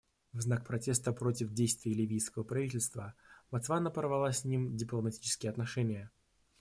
В знак протеста против действий ливийского правительства Ботсвана порвала с ним дипломатические отношения.